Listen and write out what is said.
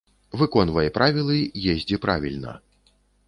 Выконвай правілы, ездзі правільна.